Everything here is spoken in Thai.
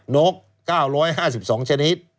นก๙๕๒ชนิด